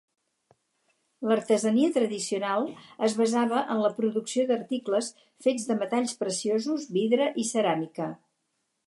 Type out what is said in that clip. L'artesania tradicional es basava en la producció d'articles fets de metalls preciosos, vidre i ceràmica.